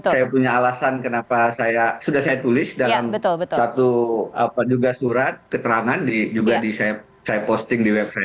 saya punya alasan kenapa saya sudah saya tulis dalam satu juga surat keterangan juga saya posting di website